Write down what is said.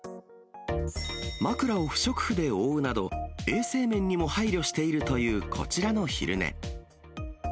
枕を不織布で覆うなど、衛生面にも配慮しているというこちらの昼寝。